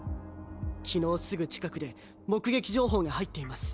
昨日すぐ近くで目撃情報が入っています。